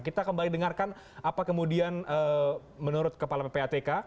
kita kembali dengarkan apa kemudian menurut kepala ppatk